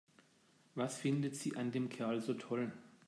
Was findet sie an dem Kerl so toll?